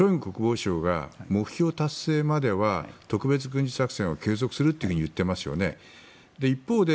１つ気になるのはショイグ国防相が目標達成までは特別軍事作戦を継続すると言っていますよね。